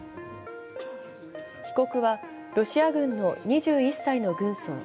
被告は、ロシア軍の２１歳の軍曹。